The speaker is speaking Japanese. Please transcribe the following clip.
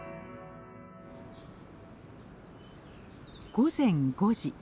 午前５時。